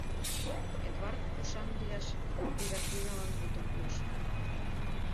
Эдвард “ушан” лияш Эвердиналан мутым пуыш.